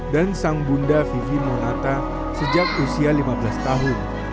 dan sang bunda vivi monata sejak usia lima belas tahun